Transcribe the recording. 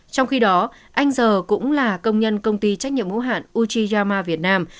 trong khi đó anh giờ cũng là công nhân công ty trách nhiệm hữu hạn uchiyama việt nam